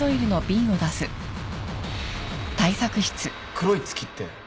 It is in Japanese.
黒い月って？